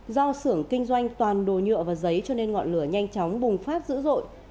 do xưởng kinh doanh toàn đồ nhựa và giấy cho nên ngọn lửa nhanh chóng bùng phát dữ dội